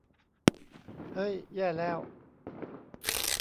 เฮ้ย แย่แล้ว !